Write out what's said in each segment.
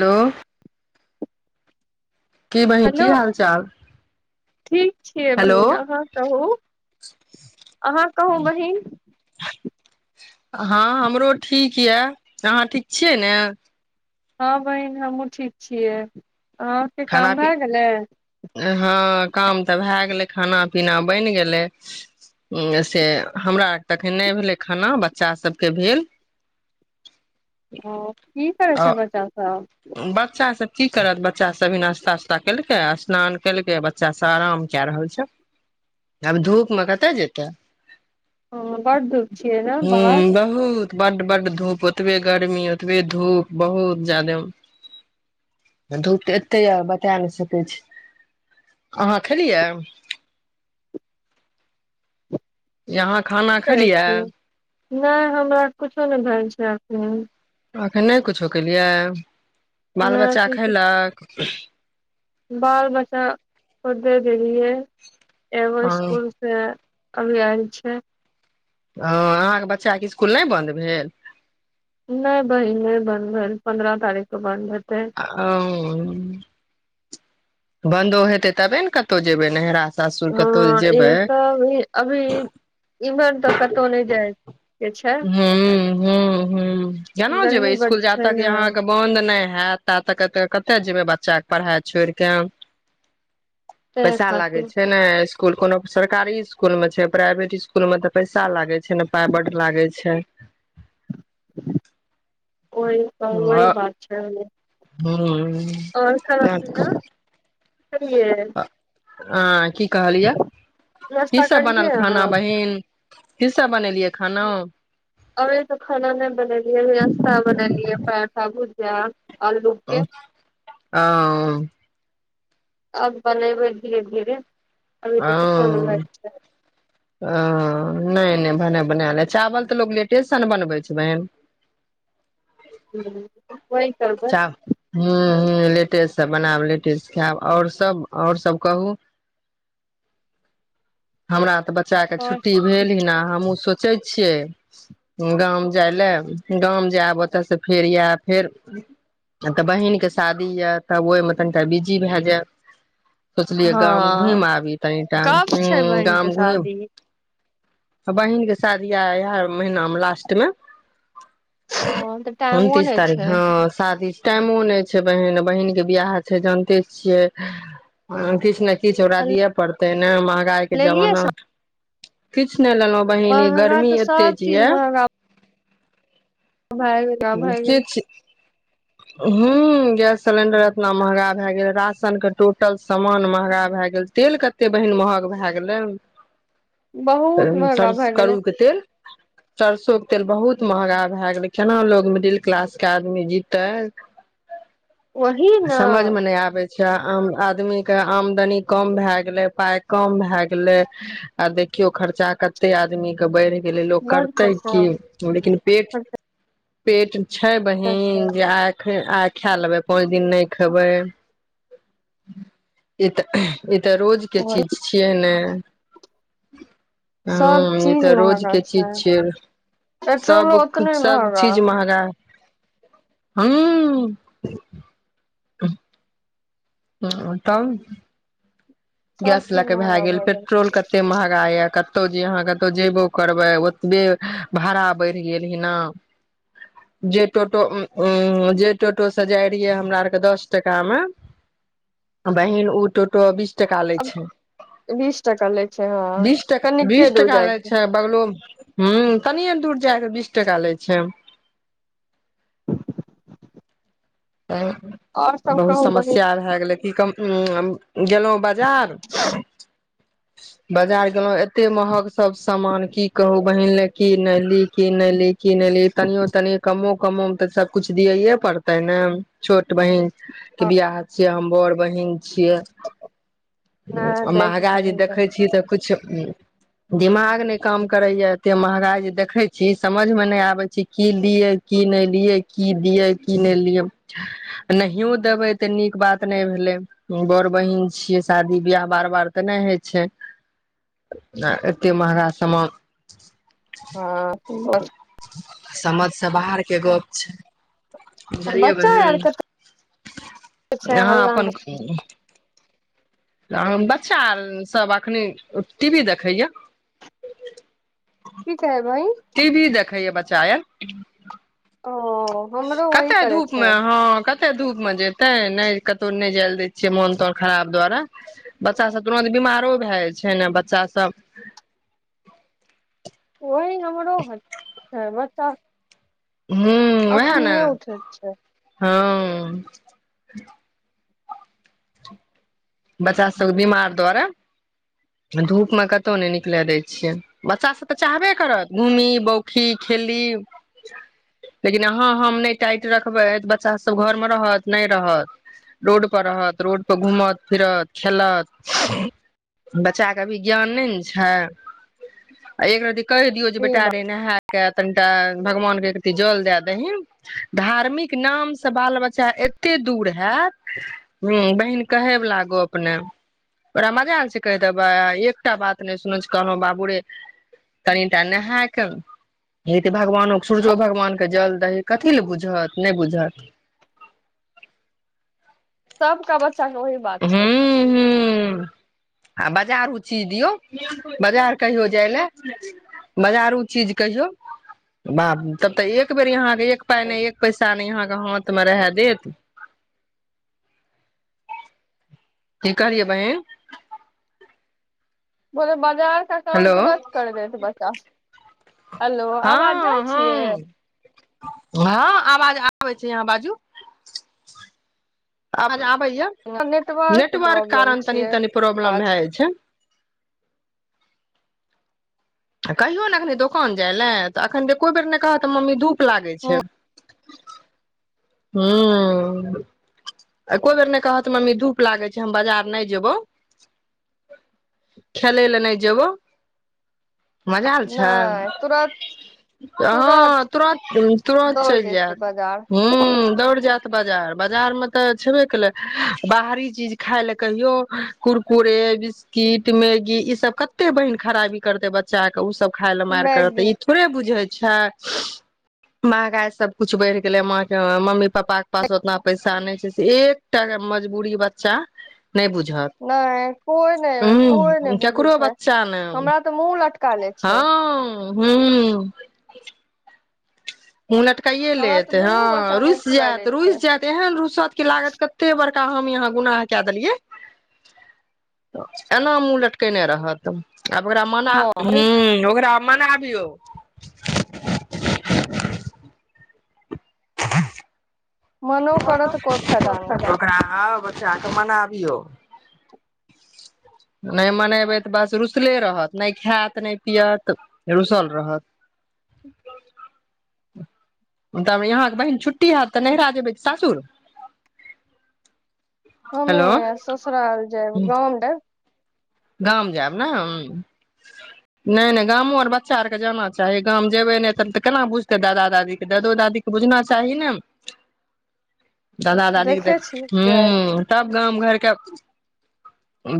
hello की बहिन hello की हाल चाल ठीक छियै हेलो बहिन अहाँ कहू अहाँ कहू बहिन [inaudible] हँ हमरो ठीक या अहाँ ठीक छियै ने हँ बहिन हमहूँ ठीक छियै अहाँके काम भाए गेलै ऐ हँ काम तऽ भए गेलै खाना पीना बनि गेलै हूँ से हमरा आर तखन नहि भेलै खाना बच्चा सबके भेल हँ की [unintelligible] बच्चासभ की करत बच्चासभ भी नाश्ता उस्ता केलकै आ स्नान केलकै बच्चासभ आराम कए रहल छै आब धूपमे कतय जेतै हँ बड्ड धूप छियै ने ह बाहर बहुत बड्ड बड्ड धूप ओतबे गर्मी ओतबे धूप बहुत ज्यादे धूप तऽ एत्ते या बता नहि सकै छी अहाँ खेलियै यहाँ खाना की करै खेलियै छियै नहि हमरा कुछो नहि भेल छै हूँ एखन नहि कुछो केलियै बाल नहि, बच्चा एखन कुछ- खैलक [unintelligible] बाल बच्चा प देे दैलियै एगो स्कूल सँ अभी आएल छै हँ अहाँके बच्चाके स्कूल नहि बन्द भेल नहि बहिन नहि बन्द भेल पन्द्रह तारीख के बन्द हाएत अ-ओ बन्दो हेतै तबे न कतहु जेबै नहिरा सासुर हँ कतहु जेबै एसभी- अभी उहर तऽ कतहु नहि जाइ के छै हूँ हूँ केना गर्मी जेबै बड इस्कूल जा छै तक ने अहाँ आर के बंन्द नहि हाएत हाँ ता तक एत्ते कतऽ जेबै बच्चाके पढ़ाइ छोड़ कऽ ताहि पैसा लागे खातिर छै ने इस्कूल कोनो सरकारी इस्कूल मे छै प्राइवेट इस्कू- -ल मे त पैसा लागै छै ने पाइ बड्ड लागै छै ओहि ओहि बात छै न हूँ आओर खाना पीना खेलियै अं-की कहलियै की नास्ता सब बनल करलियै खाना अहाँ बहिन की सब बनेलियै खाना आ अभी त खाना नहि बनेलियै अभी नास्ता बनैलियै परोठा भुजिया आलू हँ के अं आब बनबै धीरे धीरे अभी तऽ कतहु नहि जाइ हँ-अ छै हँ नहि नहि खाना बना ले छै चावल तऽ लोग लेटे स ने बनबै छै बहिन हूँ ओहि करबै लेटे से बनाब लेटे से खायब आओर सब आओर सब कहू हमरा तऽ ब- बच्चाके आओर छुट्टी सब ठीक भेल ही ना हमहूँ सू- पुछै छियै गाम जाय लाए गाम जायब ओतयसँ फेर आब फेर तऽ बहिन के शादी या तब ओहिमे तनिटा बिजी भए जायब सोचलियै हँ गाम घुम आबी तनी टाइम कब छै बहिनके शादी बहिनके शादी यै इएह महिनामे लास्टमे हँ तऽ टाइमो उनतीस नहि तारीख छै हँ शादी टाइमो नहि छै बहिन बहिन के बियाह छै जानते छियै किछ ने किछ ओकरा दिअ पड़तै नै गायके लेलियै जमाना स किछ नै लेलहुँ बहिनी महंगा गर्मी तऽ एते सब जे चीज ये भय गेल आ भय गेल ह्म गैस सिलेंडर एतना महगा भए गेल राशनके टोटल सामान महगा भए गेल तेल कतेक बहिन महग भए गेलै बहुत महंगा सर भए गेलै करु के तेल सरसो के तेल बहुत महगा भए गेलै केना लोग मिडिल क्लास के आदमी जीतै वही ने अच्छा आम आदमी के आमदनी कम भय गेले पाय कम भए गेलै आ देखियो खर्चा कते आदमी के बढ़ गेलै लोक बड करतै खर्चा की लेकिन पेट पेट छै बहिन छै जे आख फेर आ खा लेबै पाँच दिन नहि खेबै ई तऽ ई तऽ रोज के चीज छियै ने ह सब ई चीज तऽ महंगा रोजके छै चीज छियै पेट्रोलो सब ओतने महंगा सबचीज महँगा ह्म [unintelligible] ह तब सब गैस लए चीज कऽ भए महंगा गेल पेट्रोल कते महगा यै कतो जे अहाँ कतो जेबो करबै ओतबे भाड़ा बढ़ि गेल ही न जे टोटो जे टोटो सँ जाय रहियै हमरा आरके दस टाका मे बहिन उ टोटो बीस टका लैत अब छै बीस टका लै छै हँ बीस कनिके बीस दूर टका ले जायके छै बगलोमे ह तनि दूर जाय के बीस टका लै छै आओर सब बहुत कहू बहिन समस्या भए गेलै कि कम ह गेलहुं बाजार बाजार गेलों एते महग सब सामान की कहू बहिन ले की ने ली की ने ली की नहि ले तनियो तनियो कमो कमो मे तऽ सब कुछ दियैे पड़ते ने छोट बहिन के बियाह छियै हम बड़ बहिन छियै नहि दैके महगा जे चाही देखै छियै तऽ कुछ दिमाग नहि काम करयै एते महगाइ जे देखै छी समझमे नहि आबै छी की लियै की नहि लियै की दियै की नहि लियै नहिओ देबै तऽ नीक बात नहि भेलै बड़ बहिन छियै शादी बियाह बार बार तऽ नहि होइ छै आ एतेक महँगा सामान हँ [unintelligible] समझ से बाहरके गप छै बुझलियै बच्चा आर बहिन कते छै अहाँ हल्ला अपन कहु बच्चा आर सभ एखनि टीवी देखैयै ठीक है बहिन टीवी भी देखैयै बच्चा आर ओ हमरो वही करै मे छै हँ कते धूप मे जेतै नहि कतहु नहि जैल दै छियै मोन तन खराब द्वारा बच्चा सब तुरत बीमारो भए जाइ छै ने बच्चा सब ओहि हमरो ह छै बच्चा हू ओएह ने अखनिये उठैत छै हँ बच्चासभके बीमार दुआरे धूपमे कतहु नहि निकलय दै छियै बच्चासभ तऽ चाहबे करत घूमी बौखी खेली लेकिन अहाँ हम नहि टाइट रखबै त बच्चासभ घरमे रहत नहि रहत रोडपर रहत रोडपर घूमत फिरत खेलत बच्चाके अभी ज्ञान नहि ने छै एक रति कहि दियौ जे ई बटा बात रे नहय के तनिटा भगवानके जल दए दही धार्मिक नामसँ बाल बच्चा एते दूर हैत ह बहिन कहे कहै वला गप नहि ओकरा मजाल छै कहि देबै एकटा बात नहि सुनै कहल बाबू रे कनिटा नहायके हे भगवानो सूरजो भगवान के जल दही कथी लए बुझत नहि बुझत सब कऽ बच्चा चलू ओहि बात छै हूं हूं आ बजारू चीज दियौ बजार कहियो जाय लेल बजारू चीज कहियो बा तब तऽ एक बेर अहाँ एक पाइ नहि एक पैसा नहि यहाँ हाथ मे रह देत की कहलियै बहिन बोल ब बाजारके काम हेलो तुरत कर देत बच्चा सब हलो आबाज जाइ हँ हँ छियै हँ आवाज आबै छै अहाँ बाजू आवाज आब बैयै के नेटवर्क प्रॉब्लम कारण तनि छियै तनि प्रॉब्लम भए आज जाइ छै कहियौ ने एखनि दोकान जाय लए तऽ एखन एको बेर नहि कहत तऽ मम्मी धूप लागै छै हूँ ह्म एको बेर नहि कहत मम्मी धूप लागै छै हम बाजार नहि जेयबौ खेलय लए नहि जेबौ मजाल छै नहि तुरत हँ तुरत तुरत दौड़ चलि जेतै जायत बाजार ह दौड़ जैत बाजार बाजार मे तऽ छेबे केलै बाहरी चीज खाय ले कहियो कुरकुरे बिस्किट मैगी ई सब कते बहिन खराबी करते बच्चा के ओ सब खाय लए मार करत मैगी ई थोड़े बुझत छै महगाई सबकुछ बढ़ि गेलै मा हमर मम्मी पप्पाक पास ओतना पैसा नहि एकटा मजबूरी बच्चा नहि बुझत नहि कोइ नहि कोई नहि ह बुझै केकरो छै बच्चा ने हमरा तऽ मूल हँ हू [inaudible] लटकाइे हमरा लेत तऽ ह दुनू बच्चा मुँह रुस फुला जायत ले छै रुस जायत एहन रुसत कि लागत कते बड़का एकटा हमहि अहाँ गुनाह कऽ देलियै एना मुँह लटकेने रहत आब ओकरा मना हँ ह्म ओकरा आब मनाबियौ [unintelligible] मनो करत कोइ फायदा नहि [unintelligible] मनाबियौ नहि मनेबै तऽ बस रुसले रहत नहि खायत नहि पियत रुसल रहत तऽ अहाँक बहिन छुट्टी हैत तऽ नहिरा जेब सासुर हमे हेलो ससुराल जेब गौंड गाम जायब ने नहि नहि गामो आर बच्चा आरके जाना चाही गाम जेयबै नहि तब तऽ केना बुझतै दादा दादीके दादो दादीकेँ बुझना चाही ने दादा दादीे देखे देख छी जायब ह तब गाम घरके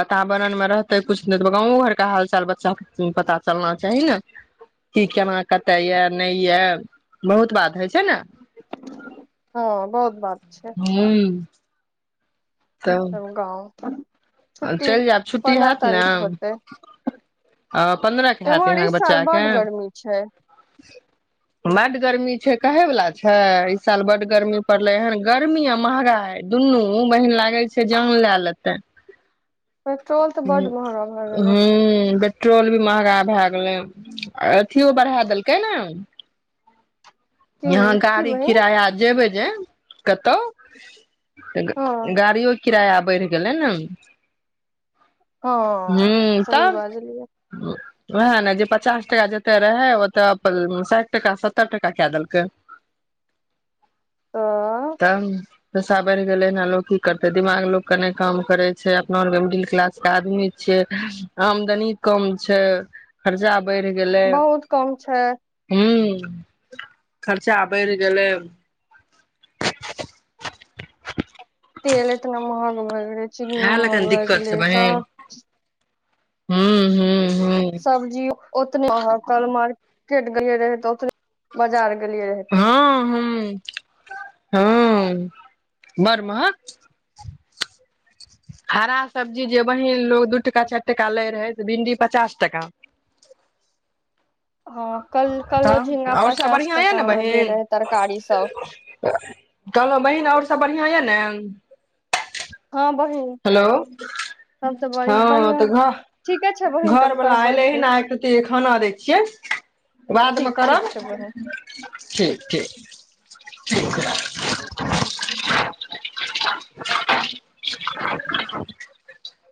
बातावरण मे रहत त कुछु नहि तऽ गाँवो घरके हाल चाल बच्चा पता चलना चाही ने कि केना कते ये नहि ये बहुत बात होइ छै ने हँ बहुत बात छै हूं तब गाउँ आ चलि जायब छुट्टी हैत ने के होते आ पन्द्रह के हैत एम्हर अहाँके इस साल बच्चाके बड गर्मी छै बड्ड गर्मी छै कहे वाला छै ई साल बड्ड गर्मी पड़ले हन गर्मी आ महगाई दुनू बहिन लागलै छै जान लए लेतै तँ पेट्रोल तऽ बड हू महंगा भए गेलै पेट्रोल भी महँगा भए गेलै अथियो बढ़ा देलकै ने की यहाँ की गाड़ी बहिन किराया जेबे जे कतौ हँ गाड़ीओ किराया बैढ़ गेलै ने हँ हूँ सही तब बाजलियै वएह ने जे पचास टका जते रहे ओते साठि टका सत्तर टका क देल क तऽ तब पैसा बढ़ि गेलै एना लोग की करते दिमाग लोग के नहि काम करे छै अपना आर के मिडिल क्लास के आदमी छिये आमदनी कम छै खर्चा बढ़ि गेलै बहुत कम छै हू [unintelligible] खर्चा बढ़ि गेलै तेल इतना महंग भऽ गेलै चिन्नी इएह लए कऽ महग ने भए गेलै सब हू हू हू सब्जी ओतने महग काल्हि मार्केट गेलियै रहे तऽ ओतबे बाजार गेलियै रहे तऽ हँ ह हँ बड महग हरा सब्जी जे बहिन लोग दू टाका चारि टाका लै रहै से भिंडी पचास टाका हँ कल कलो झिंगा पचास बढ़िआँ यऽ ने टाका मे दे बहिन रहै तरकारी सब कहलहुँ बहिन आओर सब बढ़िआँ यऽ ने हँ बहिन हेलो तब तऽ बड़ी हँ बढ़िआँ तऽ ठीके छै घर बहिन तब घरवला करबै एलै हे फिर ने एक रति खाना दै छियै बादमे ठीक ठीक करब छै बहिन ठीक ठीक ठीक राखु [unintelligible]